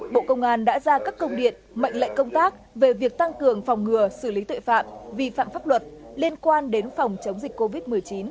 bộ công an đã ra các công điện mệnh lệnh công tác về việc tăng cường phòng ngừa xử lý tội phạm vi phạm pháp luật liên quan đến phòng chống dịch covid một mươi chín